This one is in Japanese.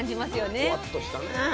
あのふわっとしたね。